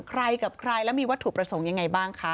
ใครกับใครแล้วมีวัตถุประสงค์ยังไงบ้างคะ